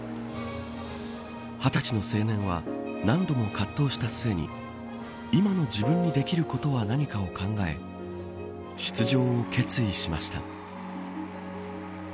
２０歳の青年は何度も葛藤した末に今の自分にできることは何かを考え出場を決意しました。